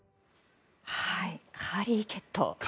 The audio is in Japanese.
カリーケット。